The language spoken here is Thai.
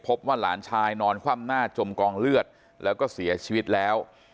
หลานชายนอนคว่ำหน้าจมกองเลือดแล้วก็เสียชีวิตแล้ว